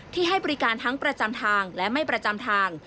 ให้บริการทั้งประจำทางและไม่ประจำทาง